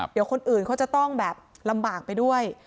เดี๋ยวคนอื่นเขาจะต้องแบบลำบากไปด้วย